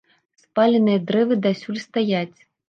Спаленыя дрэвы дасюль стаяць.